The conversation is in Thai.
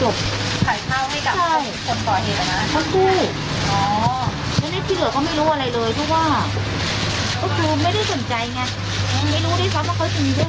ที่ว่าก็คือไม่ได้สนใจไงไม่รู้ที่สามารถคุยกันด้วย